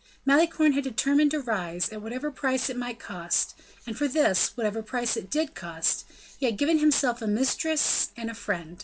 Malicorne had determined to rise, at whatever price it might cost, and for this, whatever price it did cost, he had given himself a mistress and a friend.